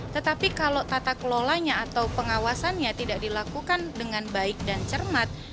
tetapi kalau tata kelolanya atau pengawasannya tidak dilakukan dengan baik dan cermat